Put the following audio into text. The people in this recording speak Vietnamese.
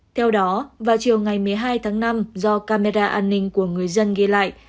theo đó vào chiều ngày một mươi hai tháng năm do camera an ninh của người dân ghi lại